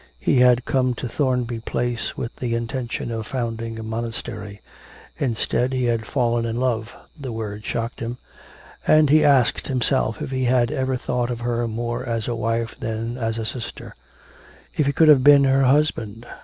He had come to Thornby Place with the intention of founding a monastery; instead, he had fallen in love (the word shocked him), and he asked himself if he had ever thought of her more as a wife than as a sister; if he could have been her husband?